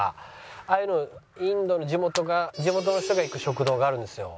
ああいうのインドの地元の人が行く食堂があるんですよ。